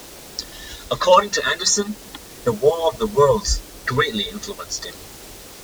According to Anderson, "The War of the Worlds" greatly influenced him.